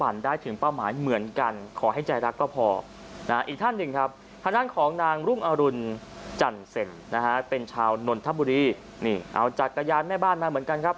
อีกท่านหนึ่งครับทางด้านของนางรุงอรุณจันเซ็นเป็นชาวนทบุรีเอาจักรยานแม่บ้านมาเหมือนกันครับ